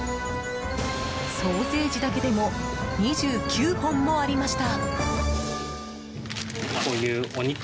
ソーセージだけでも２９本もありました。